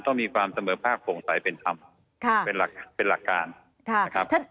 ๓ต้องมีความเสมอภาควงใสเป็นธรรมเป็นหลักการ